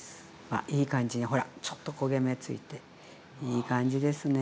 あっいい感じにほらちょっと焦げ目ついていい感じですね。